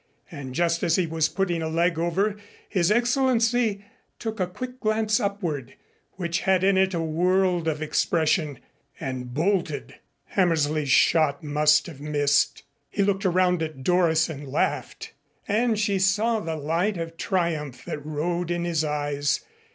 And just as he was putting a leg over, His Excellency took a quick glance upward, which had in it a world of expression and bolted. Hammersley's shot must have missed. He looked around at Doris and laughed, and she saw the light of triumph that rode in his eyes.